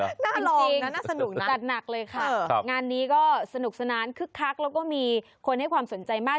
น่ารักจริงนะน่าสนุกนะจัดหนักเลยค่ะงานนี้ก็สนุกสนานคึกคักแล้วก็มีคนให้ความสนใจมาก